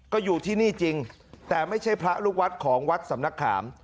ก็อยู่ที่นี่จริงแต่ไม่ใช่พระลูกวัดของวัดสำนักขาม